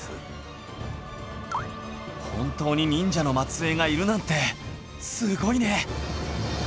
本当に忍者の末裔がいるなんてすごいね！